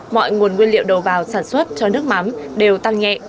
mọi nguồn nguyên liệu đầu vào sản xuất cho nước mắm đều tăng nhẹ